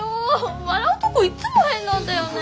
笑うとこいっつも変なんだよね。